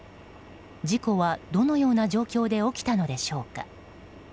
事故はどのような状況で起きたのでしょうか。